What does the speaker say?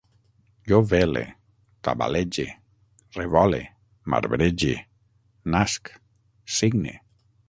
Jo vele, tabalege, revole, marbrege, nasc, signe